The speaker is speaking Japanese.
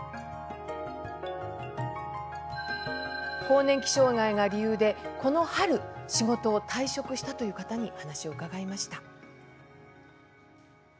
更年期障害が理由でこの春、仕事を退職した方に話を伺いました。